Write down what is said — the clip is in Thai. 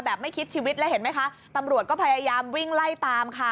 ไม่คิดชีวิตแล้วเห็นไหมคะตำรวจก็พยายามวิ่งไล่ตามค่ะ